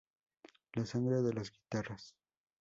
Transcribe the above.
La sangre de las guitarras